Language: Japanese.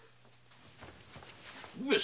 上様！